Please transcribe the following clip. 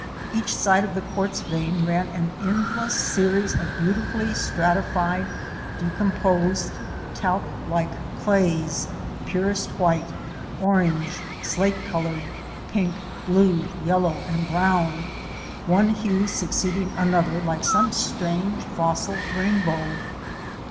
Each side of the quartz vein ran: an endless series of beauti fully stratified, decomposed, talc like clays; purest white, orange, slate colored, pink, blue, yellow and brown — one hue succeeding another like some strange fossil rainbow.